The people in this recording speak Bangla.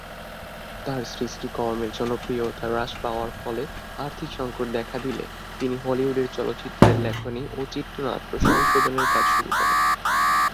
তার সৃষ্টিকর্মের জনপ্রিয়তা হ্রাস পাওয়ার ফলে আর্থিক সংকট দেখা দিলে তিনি হলিউডের চলচ্চিত্রের লেখনী ও চিত্রনাট্য সংশোধনের কাজ শুরু করেন।